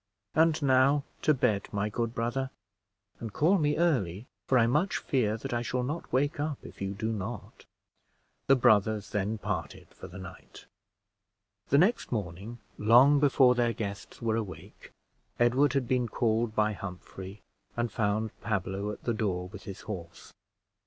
And now to bed, my good brother; and call me early, for I much fear that I shall not wake up if you do not." The brothers then parted for the night. The next morning, long before their guests were awake, Edward had been called by Humphrey, and found Pablo at the door with his horse.